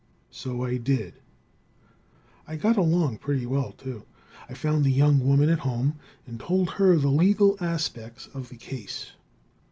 So I did. I got along pretty well, too. I found the young woman at home, and told her the legal aspects of the case.